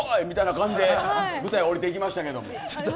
みたいな感じで舞台降りていきましたけど。